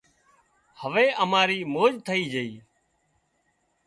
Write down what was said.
هوي مارِي موج ٿئي جھئي